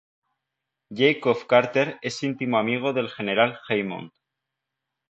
Jacob Carter es íntimo amigo del General Hammond.